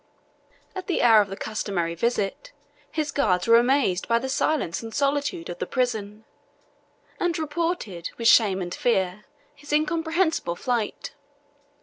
At the hour of the customary visit, his guards were amazed by the silence and solitude of the prison, and reported, with shame and fear, his incomprehensible flight.